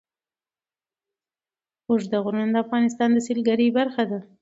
اوږده غرونه د افغانستان د سیلګرۍ برخه ده.